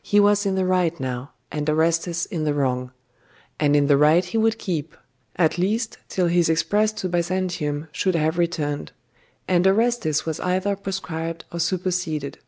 He was in the right now, and Orestes in the wrong; and in the right he would keep at least till his express to Byzantium should have returned, and Orestes was either proscribed or superseded.